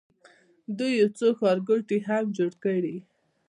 دوی یو څو ښارګوټي هم جوړ کړي.